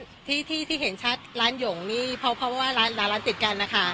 ก็ที่ที่ที่เห็นชัดร้านหย่งนี้เพราะเพราะว่าร้านติดกันอะค่ะ